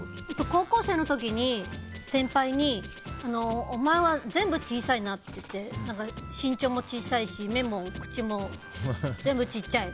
高校生の時に先輩にお前は全部小さいなって身長も小さいし、目も口も全部小さい。